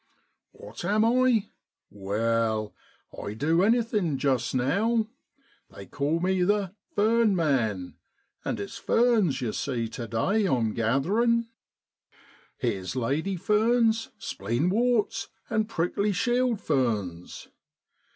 'What am I? Well, I do anything just now; they call me the ' fern man,' and it's ferns, you see, to day I'm gathering. Here's lady ferns, spleenworts, and prickly shield ferns.